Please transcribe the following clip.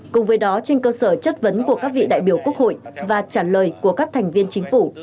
cùng với đó trên cơ sở chất vấn của các vị đại biểu quốc hội và trả lời của các thành viên chính phủ